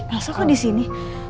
elsa kok di sini